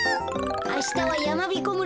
あしたはやまびこ村